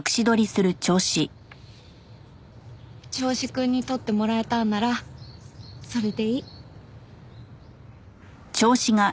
銚子くんに撮ってもらえたんならそれでいい。